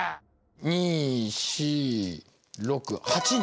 ２４６８人。